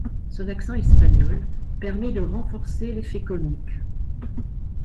Son accent espagnol permet de renforcer l'effet comique.